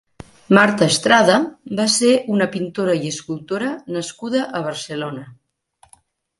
Marta Estrada va ser una pintora i escultora nascuda a Barcelona.